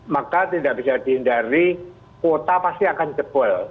maka tidak bisa dihindari kuota pasti akan jebol